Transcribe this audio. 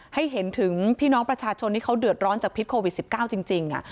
ให้เห็นถึงพี่น้องประชาชนที่เขาเดือดร้อนจากพิษโควิด๑๙จริง